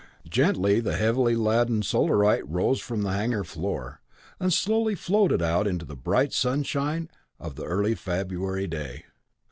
Gently the heavily laden Solarite rose from the hangar floor, and slowly floated out into the bright sunshine of the early February day.